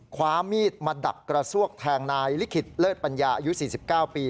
คว้ามีดมาดักกระซวกแทงนายลิขิตเลิศปัญญาอายุ๔๙ปี